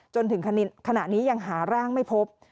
จนถึงขณะนี้ยังหาร่างไม่พบ